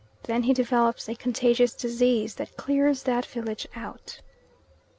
Then he develops a contagious disease that clears that village out.